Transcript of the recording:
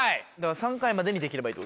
３回までにできればいい。